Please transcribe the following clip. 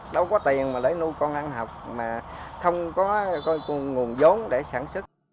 đâu có tiền để nuôi con ăn học mà không có nguồn giống để sản xuất